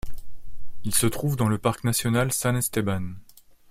Il se trouve dans le Parc national San Esteban.